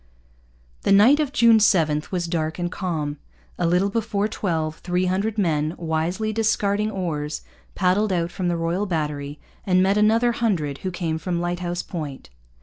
The night of June 7 was dark and calm. A little before twelve three hundred men, wisely discarding oars, paddled out from the Royal Battery and met another hundred who came from Lighthouse Point.